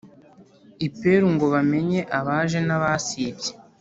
Iperu ngo bamenye abaje n abasibye